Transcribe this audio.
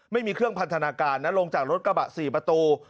ไม่มีเครื่องพันธนาการนะลงจากรถกระบะ๔ประตู